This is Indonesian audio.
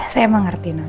saya mengerti nel